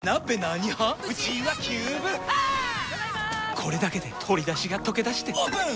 これだけで鶏だしがとけだしてオープン！